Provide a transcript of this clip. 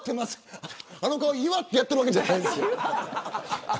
あの顔は狙ってやってるわけじゃないですよ。